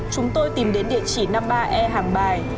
chúng tôi tìm đến địa chỉ năm mươi ba e hàng bài